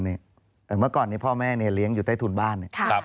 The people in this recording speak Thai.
เมื่อก่อนนี้พ่อแม่เลี้ยงอยู่ใต้ทุนบ้าน